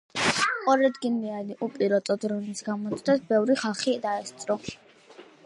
ორადგილიანი უპილოტო დრონის გამოცდას, ბევრი ხალხი დაესწრო.